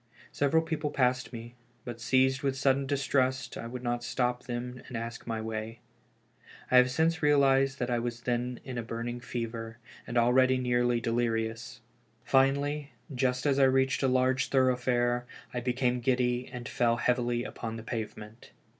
Several people passed me, but seized with sudden distrust, I would not stop them and ask my way. I have since realized that I was then in a burning fever, and already nearly delirious. Finally, just as I reached a large thoroughfare, I became giddy and fell heavily upon the pavement.